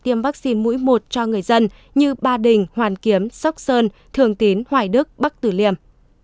tiêm vaccine mũi một cho người dân như ba đình hoàn kiếm sóc sơn thường tín hoài đức bắc tử liêm